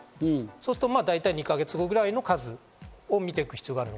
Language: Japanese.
すると大体２か月後ぐらいの数を見ていく必要がある。